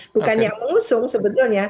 bukan yang mengusung sebetulnya